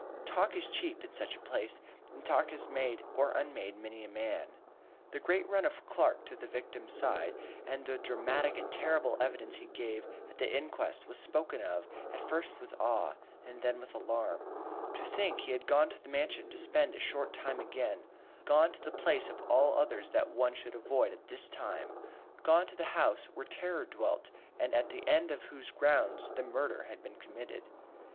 Talk is cheap in such a place, and talk has made or unmade many a man. The great run of Clark to the victim's side and the dramatic and terrible evidence he gave at the inquest was spoken of at first with awe, and then with alarm. And to think he had gone to the Mansion to spend a short time again, gone to the place of all others that one should avoid at this time gone to the house where terror dwelt and at the end of whose grounds the murder had been committed!